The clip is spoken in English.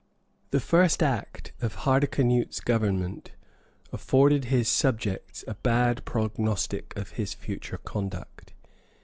The first act of Hardicanute's government afforded his subjects a bad prognostic of his future conduct.